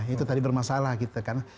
itu tadi bermasalah gitu kan